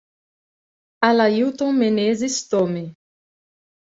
Alailton Menezes Tome